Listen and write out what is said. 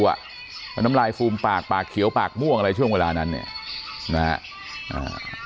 เพราะน้ำลายฟูมปากปากเขียวปากม่วงอะไรช่วงเวลานั้นเนี่ยนะฮะ